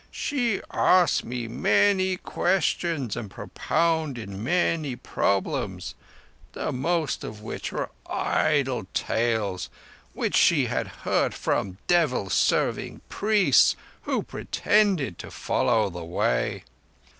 "She asked me many questions and propounded many problems—the most of which were idle tales which she had heard from devil serving priests who pretend to follow the Way.